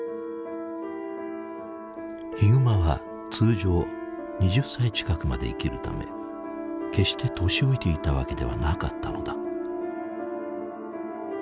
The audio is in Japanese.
ヒグマは通常２０歳近くまで生きるため決して年老いていたわけではなかったのだ。